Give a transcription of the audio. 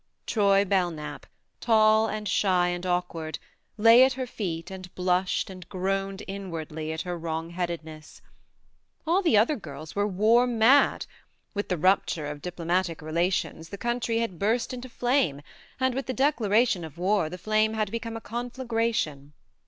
Troy Belknap, tall and shy and awkward, lay at her feet and blushed and groaned inwardly at her wrong headedness. All the other girls were war mad ; with the rupture of diplo matic relations the country had burst into flame, and with the declaration of war the flame had become a conflagra tion.